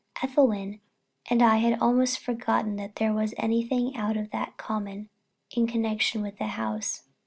Ethelwyn and I had almost forgotten that there was anything out of the common in connection with the house.